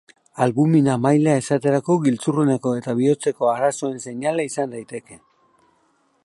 Albumina maila esaterako giltzurruneko eta bihotzeko arazoen seinale izan daiteke.